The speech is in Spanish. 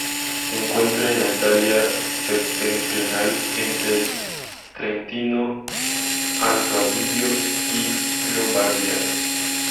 Se encuentra en la Italia septentrional entre el Trentino-Alto Adigio y Lombardía.